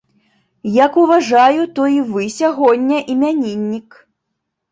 Як уважаю, то і вы сягоння імяніннік.